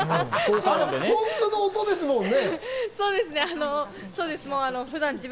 本当の音ですもんね。